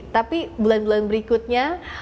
tapi bulan bulan berikutnya